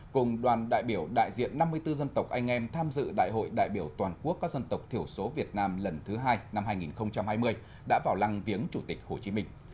cùng đoàn đại biểu đại diện năm mươi bốn dân tộc anh em tham dự đại hội đại biểu toàn quốc các dân tộc thiểu số việt nam lần thứ hai năm hai nghìn hai mươi đã vào lăng viếng chủ tịch hồ chí minh